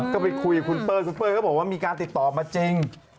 ก็ไปคุยกับคุณเป้ยคุณเป้ยก็บอกว่ามีการติดต่อมาจริง